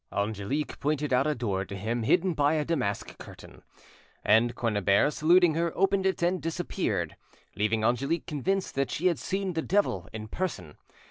Angelique pointed out a door to him hidden by a damask curtain, and Quennebert saluting her, opened it and disappeared, leaving Angelique convinced that she had seen the devil in person.